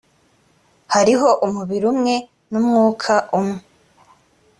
hariho umubiri umwe n umwuka umwe